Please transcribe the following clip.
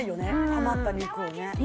はまった肉をね